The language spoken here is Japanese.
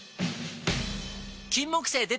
金木犀でた！